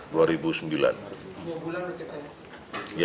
dua bulan berarti pak ya